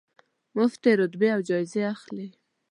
مفتې رتبې او جایزې اخلي.